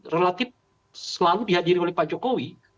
relatif selalu dihadiri oleh pak jokowi